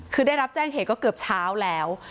คือได้รับแจ้งเหตุก็เกือบเช้าแล้ว